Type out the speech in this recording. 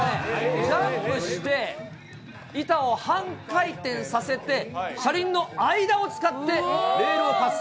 ジャンプして、板を半回転させて、車輪の間を使ってレールを滑走。